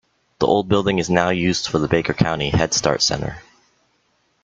The old building is now used for the Baker County Headstart Center.